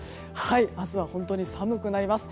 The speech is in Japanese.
明日は本当に寒くなります。